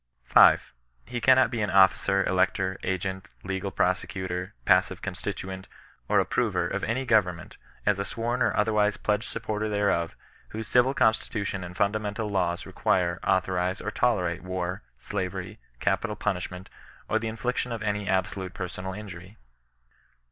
5. He cannot be an officer, elector, agent, legal pro secutor, passive constituent, or approver of any goyem ment, as a sworn or otherwise pledged supporter tiiereof^ whose civil constitution and mndamental laws require, authorize, or tolerate war, slavery, capital punishment^ or the infliction of any absolute persoiud injury.